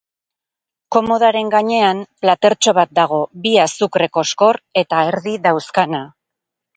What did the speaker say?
Komodaren gainean, platertxo bat dago, bi azukre koskor eta erdi dauzkana.